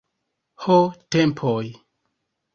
Ho, tempoj!